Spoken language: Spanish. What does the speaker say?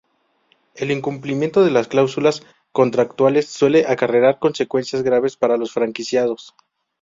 El incumplimiento de las cláusulas contractuales suele acarrear consecuencias graves para los franquiciados.